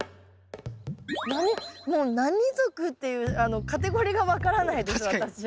何もう何属っていうカテゴリーが分からないです